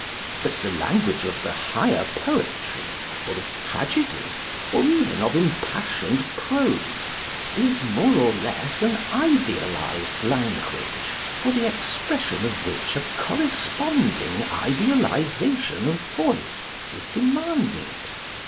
But the language of the higher poetry, or of tragedy, or even of impassioned prose, is, more or less, an idealized language, for the expression of which a corresponding idealization of voice is demanded.